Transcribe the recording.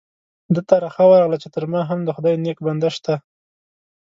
ده ته رخه ورغله چې تر ما هم د خدای نیک بنده شته.